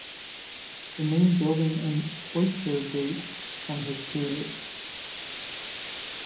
The main building and cloister date from this period.